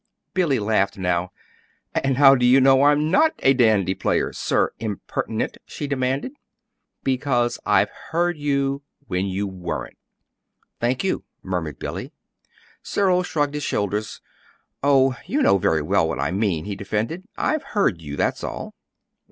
Billy laughed now. "And how do you know I'm not a dandy player, Sir Impertinent?" she demanded. "Because I've heard you when you weren't." "Thank you," murmured Billy. Cyril shrugged his shoulders. "Oh, you know very well what I mean," he defended. "I've heard you; that's all."